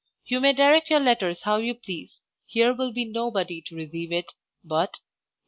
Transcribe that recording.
You may direct your letters how you please, here will be nobody to receive it but Your.